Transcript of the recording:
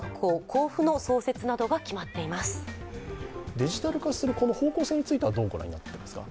デジタル化する方向性については、どうご覧になっていますか。